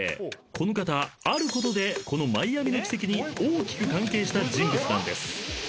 ［この方あることでこのマイアミの奇跡に大きく関係した人物なんです］